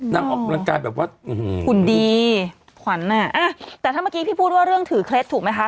ออกกำลังกายแบบว่าหุ่นดีขวัญอ่ะแต่ถ้าเมื่อกี้พี่พูดว่าเรื่องถือเคล็ดถูกไหมคะ